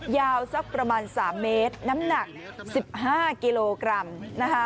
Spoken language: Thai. ยาวสักประมาณ๓เมตรน้ำหนัก๑๕กิโลกรัมนะคะ